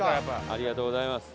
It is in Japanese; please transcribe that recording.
ありがとうございます。